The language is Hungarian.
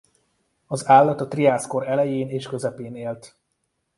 Az állat a triász kor elején és közepén élt.